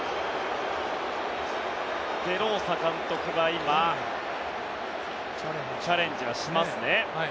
デローサ監督が今チャレンジをしますね。